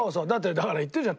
だから言ったじゃん